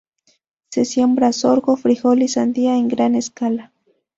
Se siembra sorgo, frijol y sandía en gran escala.